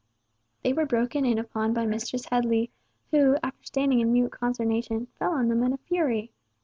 They were broken in upon by Mistress Headley, who, after standing in mute consternation, fell on them in a fury.